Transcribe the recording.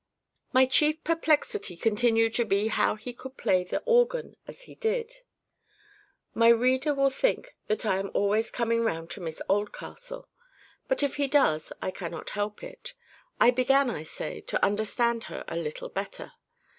My chief perplexity continued to be how he could play the organ as he did. My reader will think that I am always coming round to Miss Oldcastle; but if he does, I cannot help it. I began, I say, to understand her a little better.